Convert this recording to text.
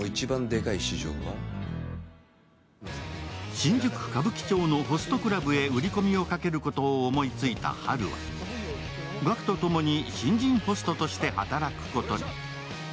新宿・歌舞伎町のホストクラブへ売り込みをかけることを思いついたハルは、ガクと共に新人ホストとして働くことに。